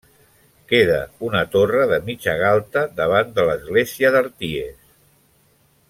Queda una torre de mitja galta davant de l'església d'Arties.